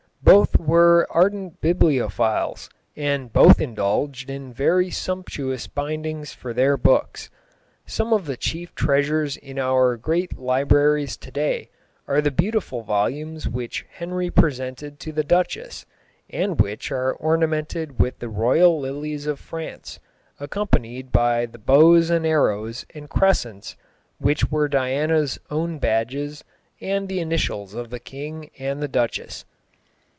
Both were ardent bibliophiles, and both indulged in very sumptuous bindings for their books. Some of the chief treasures in our great libraries to day are the beautiful volumes which Henry presented to the duchess, and which are ornamented with the royal lilies of France, accompanied by the bows and arrows and crescents which were Diana's own badges and the initials of the king and the duchess.